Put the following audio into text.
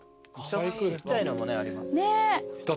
ちっちゃいのもねあります。